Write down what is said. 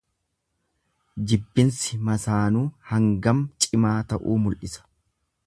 Jibbinsi masaanuu hangam cimaa ta'uu mul'isa.